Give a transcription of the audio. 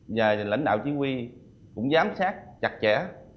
về lãnh đạo chỉ huy cũng giám sát chặt chẽ